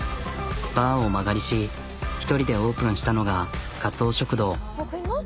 バーを間借りし１人でオープンしたのがかつお食堂。